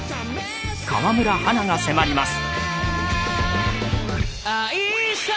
河村花が迫ります。